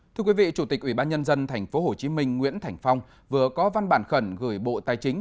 thưa quý vị chủ tịch ủy ban nhân dân tp hcm nguyễn thành phong vừa có văn bản khẩn gửi bộ tài chính